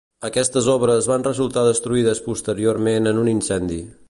Aquestes obres van resultar destruïdes posteriorment en un incendi.